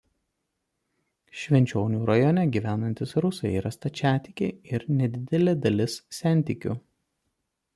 Švenčionių rajone gyvenantys rusai yra stačiatikiai ir nedidelė dalis sentikių.